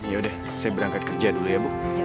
ya udah saya berangkat kerja dulu ya bu